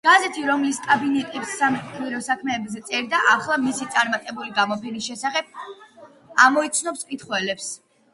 გაზეთი, რომელიც კაპიტნების „საგმირო საქმეებზე“ წერდა, ახლა მისი წარმატებული გამოფენის შესახებ ამცნობს მკითხველებს.